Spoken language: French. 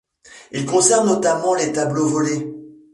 Il concerne notamment les tableaux volés.